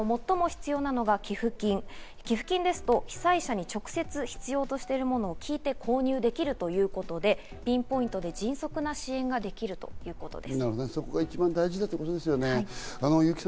中でも最も必要なのが寄付金ですと被災者に直接、必要としているものを聞いて購入できるということで、ピンポイントで迅速な支援ができるということです。